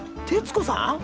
徹子さん？